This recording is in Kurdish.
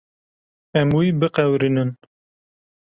Em wî biqewirînin.